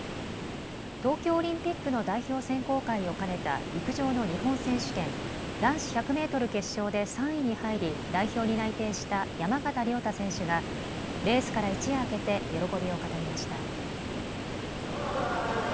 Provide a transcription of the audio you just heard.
東京オリンピックの代表選考会を兼ねた陸上の日本選手権男子１００メートル決勝で３位に入り代表に内定した山縣亮太選手がレースから一夜明けて喜びを語りました。